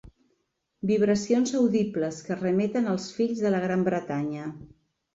Vibracions audibles que remeten als fills de la Gran Bretanya.